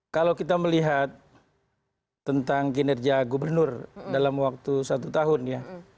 kalau kita melihat tentang kinerja gubernur dalam waktu satu tahun ya